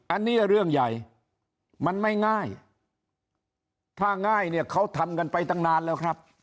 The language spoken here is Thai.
อันนี้เรื่องใหญ่มันไม่ง่ายถ้าง่ายเนี่ยเขาทำกันไปตั้งนานแล้วครับ